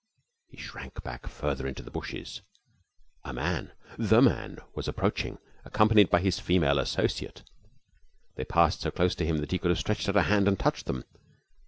He shrank farther back into the bushes. A man The Man was approaching, accompanied by his female associate. They passed so close to him that he could have stretched out a hand and touched them.